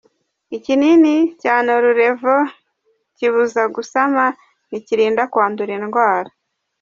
Ikinini cya Norlevo kibuza gusama ntikirinda kwandura indwara.